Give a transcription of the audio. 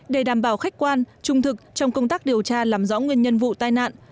để đảm bảo khách quan trung thực trong công tác điều tra làm rõ nguyên nhân vụ tai nạn